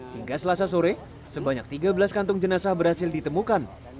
hingga selasa sore sebanyak tiga belas kantung jenazah berhasil ditemukan